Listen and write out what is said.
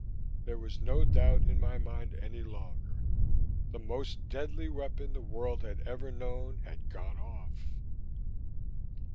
There was no doubt in my mind any longer. The most deadly weapon the world had ever known had gone off!